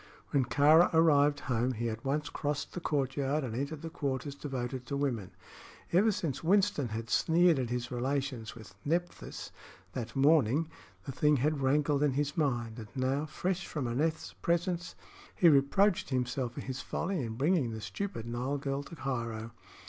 When Kāra arrived home he at once crossed the courtyard and entered the quarters devoted to women. Ever since Winston had sneered at his relations with Nephthys that morning, the thing had rankled in his mind, and now, fresh from Aneth's presence, he reproached himself for his folly in bringing the stupid Nile girl to Cairo.